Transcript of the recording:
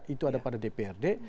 itu ada pada dprd